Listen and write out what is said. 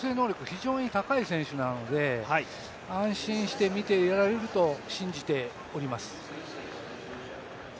非常に高い選手ですので安心して見ていられると信じております。